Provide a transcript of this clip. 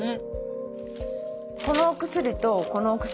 このお薬とこのお薬